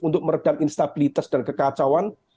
untuk meredam instabilitas dan kekacauan